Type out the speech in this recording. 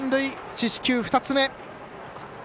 四死球２つ目。